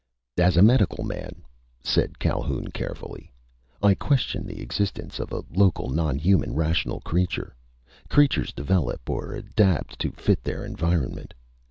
"As a medical man," said Calhoun carefully, "I question the existence of a local, nonhuman rational creature. Creatures develop or adapt to fit their environment.